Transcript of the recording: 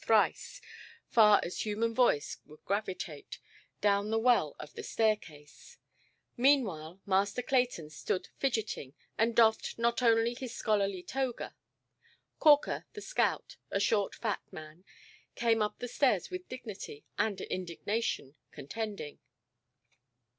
thrice, far as human voice would gravitate, down the well of the staircase. Meanwhile Master Clayton stood fidgeting, and doffed not his scholarly toga. Corker, the scout, a short fat man, came up the stairs with dignity and indignation contending.